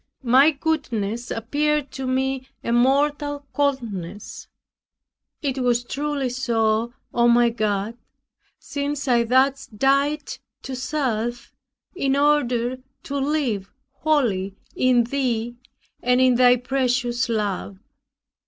My coldness appeared to me a mortal coldness. It was truly so, O my God, since I thus died to self, in order to live wholly in Thee, and in thy precious love.